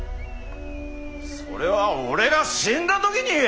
それは俺が死んだ時に言え！